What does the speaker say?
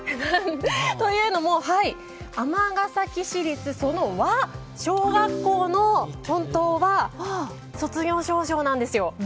というのも尼崎市園和小学校の本当は卒業証書なんですよ。